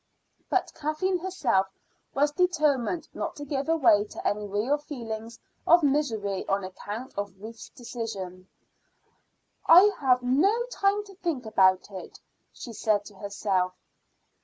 But Kathleen herself was determined not to give way to any real feelings of misery on account of Ruth's desertion. "I have no time to think about it," she said to herself.